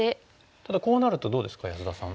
ただこうなるとどうですか安田さん。